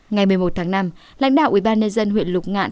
ngày một mươi một tháng năm lãnh đạo ubnd huyện lục ngạn